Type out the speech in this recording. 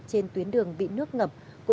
trên tuyến đường bị nước ngập